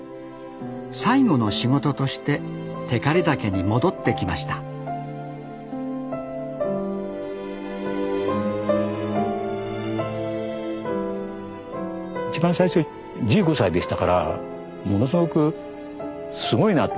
最後の仕事として光岳に戻ってきました一番最初１５歳でしたからものすごくすごいなあと思って。